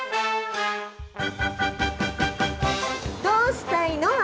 どうしたいの？